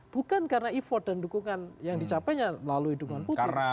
bukan karena effort dan dukungan yang dicapainya melalui dukungan putih